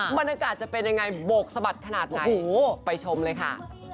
บรรยากาศจะเป็นยังไงโบกสะบัดขนาดไหนไปชมเลยค่ะ